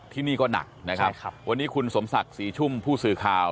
ที่นี่ก็หนักนะครับวันนี้คุณสมศักดิ์ศรีชุ่มผู้สื่อข่าว